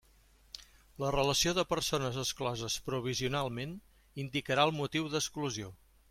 La relació de persones excloses provisionalment indicarà el motiu d'exclusió.